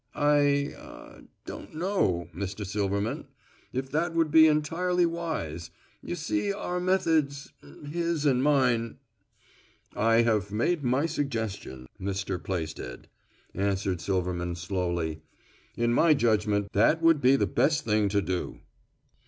"I ah don't know, Mr. Silverman, if that would be entirely wise. You see our methods his and mine " "I have made my suggestion, Mr. Plaisted," answered Silverman slowly. "In my judgment that would be the best thing to do."